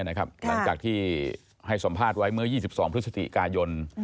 หลังจากที่ให้สัมภาษณ์ไว้เมื่อ๒๒พฤศจิกายน